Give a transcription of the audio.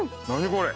これ。